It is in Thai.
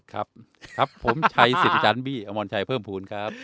ครับครับผมชัยสิทธิ์อาจารย์บี้อมรชัยเพิ่มภูมิครับ